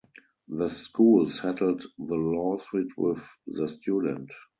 The school settled the lawsuit with the student.